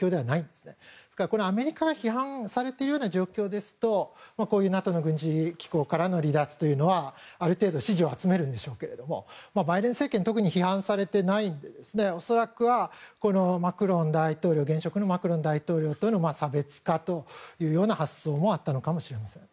ですから、アメリカが批判されている状況ですとＮＡＴＯの軍事機構からの離脱というのはある程度支持を集めるんでしょうけどもバイデン政権は特に批判されていないので恐らくは現職のマクロン大統領との差別化というような発想もあったのかもしれません。